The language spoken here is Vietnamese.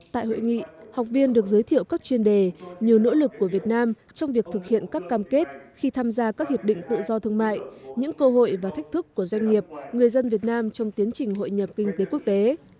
tại hội nghị học viên được giới thiệu các chuyên đề như nỗ lực của việt nam trong việc thực hiện các cam kết khi tham gia các hiệp định tự do thương mại những cơ hội và thách thức của doanh nghiệp người dân việt nam trong tiến trình hội nhập kinh tế quốc tế